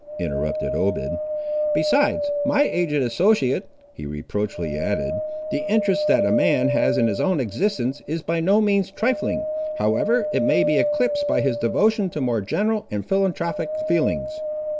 interrupted Obed. "Besides, my aged associate," he reproachfully added, "the interest, that a man has in his own existence, is by no means trifling, however it may be eclipsed by his devotion to more general and philanthropic feelings."